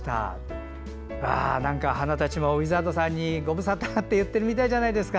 なんか花たちもウィザードさんにご無沙汰！って言ってるみたいじゃないですか。